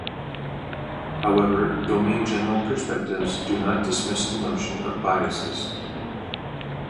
However, domain-general perspectives do not dismiss the notion of biases.